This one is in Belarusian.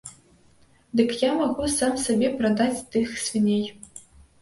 Дык я магу сам сабе прадаць тых свіней.